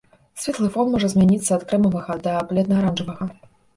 Светлы фон можа змяняцца ад крэмавага да бледна-аранжавага.